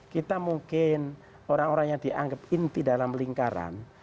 kita mungkin orang orang yang dianggap inti dalam lingkaran